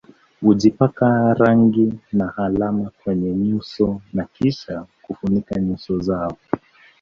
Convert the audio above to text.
Hujipaka rangi na alama kwenye nyuso na kisha kufunika nyuso zao